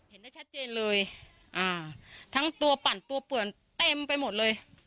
เห็นได้ชัดเจนเลยอ่าทั้งตัวปั่นตัวเปื่อนเต็มไปหมดเลย